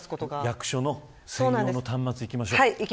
役所の専用の端末行きましょう。